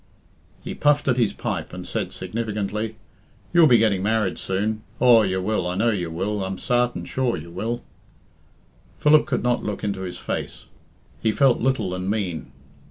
He puffed at his pipe, and said significantly, "You'll be getting married soon. Aw, you will, I know you will, I'm sarten sure you will." Philip could not look into his face. He felt little and mean.